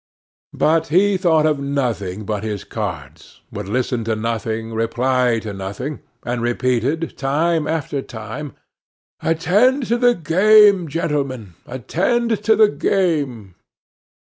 But he thought of nothing but his cards, would listen to nothing, reply to nothing, and repeated, time after time: "Attend to the game, gentlemen! attend to the game!"